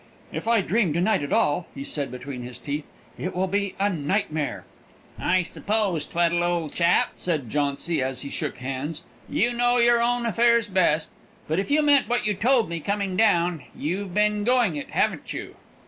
"If I dream to night at all," he said, between his teeth, "it will be a nightmare!" "I suppose, Tweddle, old chap," said Jauncy, as he shook hands, "you know your own affairs best; but, if you meant what you told me coming down, you've been going it, haven't you?"